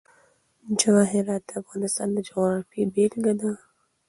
جواهرات د افغانستان د جغرافیې بېلګه ده.